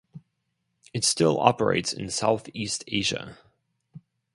It still operates in South East Asia.